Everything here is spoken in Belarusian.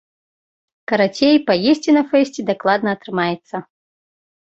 Карацей, паесці на фэсце дакладна атрымаецца.